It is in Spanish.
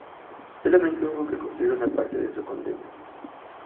Solamente hubo de cumplir una parte de su condena.